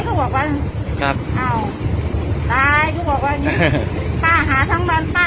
เขาบอกว่าครับอ้าวตายก็บอกว่าอย่างงี้ป้าหาทั้งวันป้า